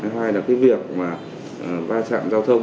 hai là việc va chạm giao thông hoàn toàn là va chạm giao thông bình thường